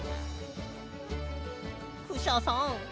クシャさん。